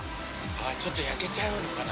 ちょっと焼けちゃうのかな？